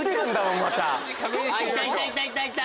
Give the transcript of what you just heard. ⁉いたいた！